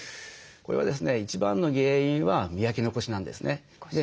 これはですね一番の原因は磨き残しなんですね。